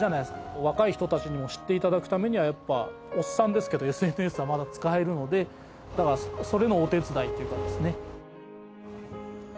若い人たちにも知っていただくためにはやっぱおっさんですけどＳＮＳはまだ使えるのでだからそれのお手伝いというかですね。